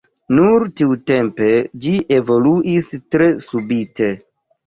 Nur tiutempe ĝi evoluis tre subite.